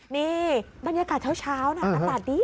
นี่บรรยากาศเฉ้านะอาสารดีนะ